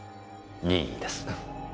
任意です。